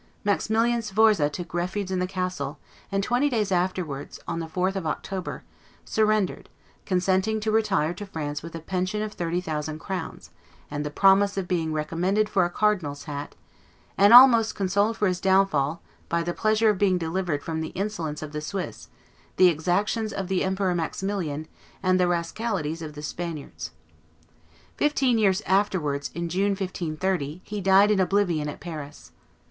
Maximilian Sforza took refuge in the castle, and twenty days afterwards, on the 4th of October, surrendered, consenting to retire to France with a pension of thirty thousand crowns, and the promise of being recommended for a cardinal's hat, and almost consoled for his downfall "by the pleasure of being delivered from the insolence of the Swiss, the exactions of the Emperor Maximilian, and the rascalities of the Spaniards." Fifteen years afterwards, in June, 1530, he died in oblivion at Paris.